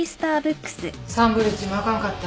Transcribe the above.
サンブリッジもあかんかった。